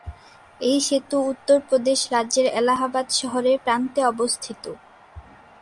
এই সেতু উত্তর প্রদেশ রাজ্যের এলাহাবাদ শহরের প্রান্তে অবস্থিত।